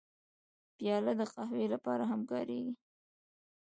پیاله د قهوې لپاره هم کارېږي.